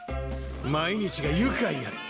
毎日が愉快やった。